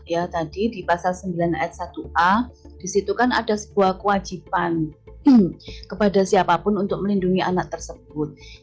ya tadi di pasal sembilan ayat satu a disitu kan ada sebuah kewajiban kepada siapapun untuk melindungi anak tersebut